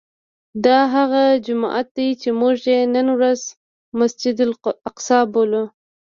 دا هغه جومات دی چې موږ یې نن ورځ مسجد الاقصی بولو.